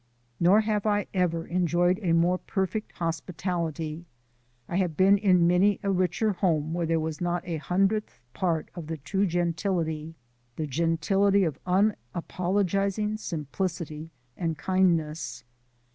Nor have I ever enjoyed a more perfect hospitality. I have been in many a richer home where there was not a hundredth part of the true gentility the gentility of unapologizing simplicity and kindness.